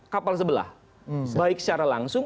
kapal sebelah baik secara langsung